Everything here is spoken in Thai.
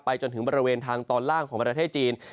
จนถึงบริเวณทางตอนล่างของประเทศจีน